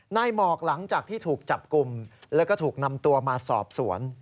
หมอกหลังจากที่ถูกจับกลุ่มแล้วก็ถูกนำตัวมาสอบสวน